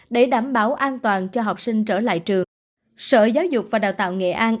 để đảm bảo an toàn cho học sinh trở lại trường sở giáo dục và đào tạo nghệ an